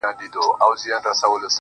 سړی چي مړسي ارمانونه يې دلېپاتهسي.